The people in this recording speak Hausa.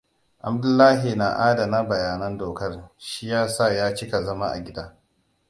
Abdullahi na adana bayanan dokar, shi yasa ya cika zama a gida.